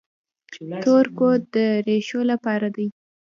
تور کود د ریښو لپاره دی.